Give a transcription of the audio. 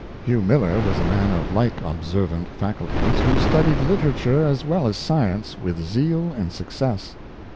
Hugh Miller was a man of like observant faculties, who studied literature as well as science with zeal and success.